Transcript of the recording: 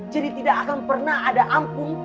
tidak akan pernah ada ampun